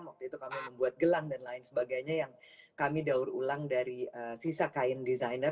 waktu itu kami membuat gelang dan lain sebagainya yang kami daur ulang dari sisa kain desainer